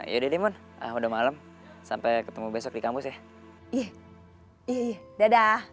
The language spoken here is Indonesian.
yaudah deh mun udah malem sampai ketemu besok di kampus ya